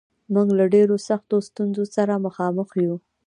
موږ له ډېرو سختو ستونزو سره مخامخ یو